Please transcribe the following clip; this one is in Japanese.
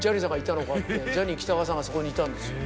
ジャニー喜多川さんがそこにいたんですよ。